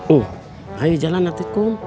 oh ayo jalan atik kum